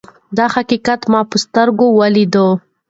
دا حقیقت ما په خپلو سترګو ولید.